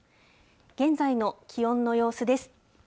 現在の気温の様子です。